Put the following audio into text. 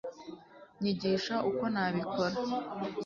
nyigisha uko nabikora